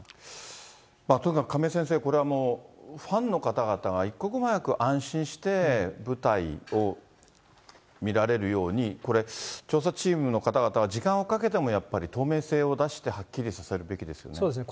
とにかく亀井先生、これはもうファンの方々が一刻も早く安心して舞台を見られるように、これ、調査チームの方々は時間をかけてもやっぱり透明性を出して、そうですね。